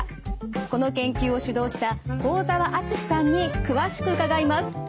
この研究を主導した寳澤篤さんに詳しく伺います。